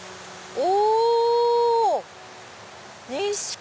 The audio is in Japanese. お。